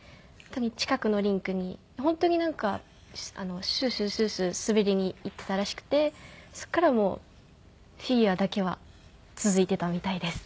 近くのリンクに本当になんかシューシューシューシュー滑りに行っていたらしくてそこからもうフィギュアだけは続いていたみたいです。